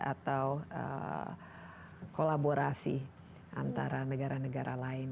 atau kolaborasi antara negara negara lain